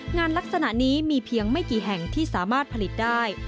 งานลักษณะนี้มีเพียงไม่กี่แห่งที่สามารถผลิตได้